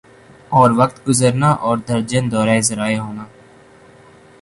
اور وقت گزرنا اور درجن دورہ ذرائع ہونا